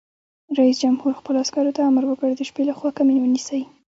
رئیس جمهور خپلو عسکرو ته امر وکړ؛ د شپې لخوا کمین ونیسئ!